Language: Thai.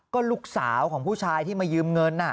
ก็ลูกสาวของผู้ชายที่มายืมเงิน